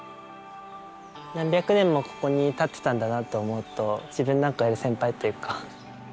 何百年もここに立ってたんだなと思うと自分なんかより先輩っていうか。